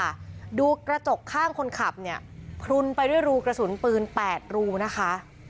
ดูกระจกข้างคนขับเนี่ยพลุนไปด้วยรูกระสุนปืนแปดรูนะคะ